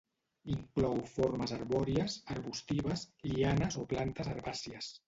Inclou formes arbòries, arbustives, lianes o plantes herbàcies.